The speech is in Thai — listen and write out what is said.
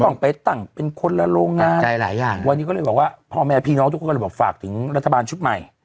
ต้องไปตั้งเป็นคนละโรงงานหลายอย่างวันนี้ก็เลยบอกว่าพ่อแม่พี่น้องทุกคนก็เลยบอกฝากถึงรัฐบาลชุดใหม่